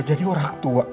jadi orang tua